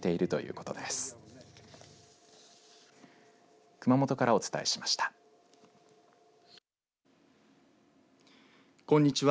こんにちは。